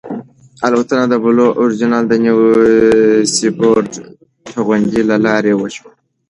الوتنه د بلو اوریجن د نیو شیپرډ توغندي له لارې وشوه.